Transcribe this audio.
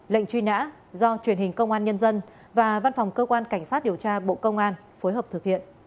lệnh truy nã do truyền hình công an nhân dân và văn phòng cơ quan cảnh sát điều tra bộ công an phối hợp thực hiện